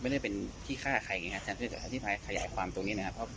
ไม่ได้เป็นที่ฆ่าใครอย่างงี้อาจารย์ที่ที่ไทยขยายความตัวนี้นะครับ